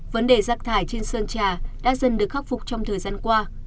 vấn đề rác thải trên sơn trà đã dần được khắc phục trong thời gian qua